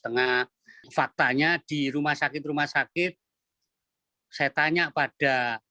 tengah faktanya di rumah sakit rumah sakit saya tanya pada